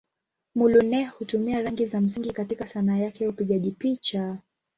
Muluneh hutumia rangi za msingi katika Sanaa yake ya upigaji picha.